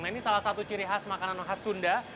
nah ini salah satu ciri khas makanan khas sunda